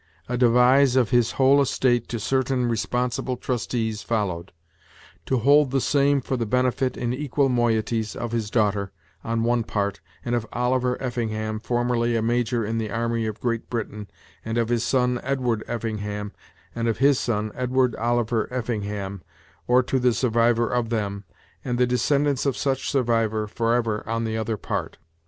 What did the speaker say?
A devise of his whole estate to certain responsible trustees followed; to hold the same for the benefit, in equal moieties, of his daughter, on one part, and of Oliver Effingham, formerly a major in the army of Great Britain, and of his son Ed ward Effingham, and of his son Edward Oliver Effingham, or to the survivor of them, and the descendants of such survivor, forever, on the other part.